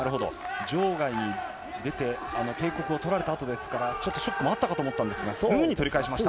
場外に出て警告を取られたあとですから、ちょっとショックもあったかと思ったんですが、すぐ取り返しました。